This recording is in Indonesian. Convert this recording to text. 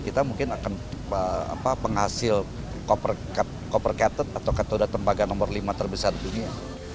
kita mungkin akan penghasil copper cathed atau katoda tembaga nomor lima terbesar dunia